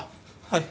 はい。